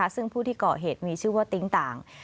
ซึ่งผู้ที่เกาะเหตุมีชื่อว่าติ๊งต่าง